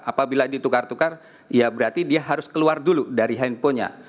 apabila ditukar tukar ya berarti dia harus keluar dulu dari handphonenya